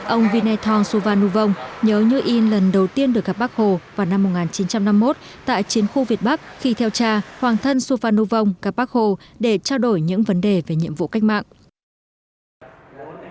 ông vinaythong su van nu vong nhớ như yên lần đầu tiên được gặp bác hồ vào năm một nghìn chín trăm năm mươi một tại chiến khu việt bắc khi theo trà hoàng thân su van nu vong gặp bác hồ để trao đổi những vấn đề về nhiệm vụ cách mạng